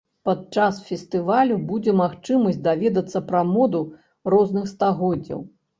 Падчас фестывалю будзе магчымасць даведацца пра моду розных стагоддзяў.